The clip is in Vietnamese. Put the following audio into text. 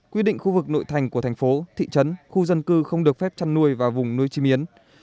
quy định khu vực nội thành của thành phố thị trấn khu dân cư không được phép chăn nuôi vào vùng nuôi chim yến